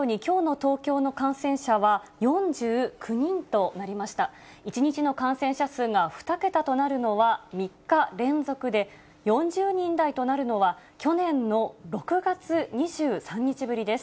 １日の感染者数が２桁となるのは３日連続で、４０人台となるのは、去年の６月２３日ぶりです。